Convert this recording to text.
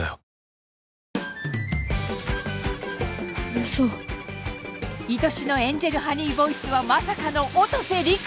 ウソ愛しのエンジェルハニーボイスはまさかの音瀬陸？